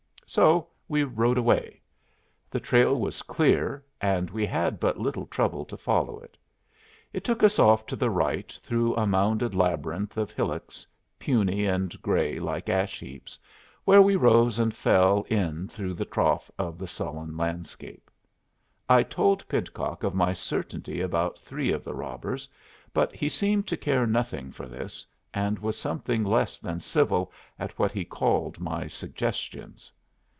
So we rode away. The trail was clear, and we had but little trouble to follow it. It took us off to the right through a mounded labyrinth of hillocks, puny and gray like ash heaps, where we rose and fell in the trough of the sullen landscape. I told Pidcock of my certainty about three of the robbers, but he seemed to care nothing for this, and was something less than civil at what he called my suggestions.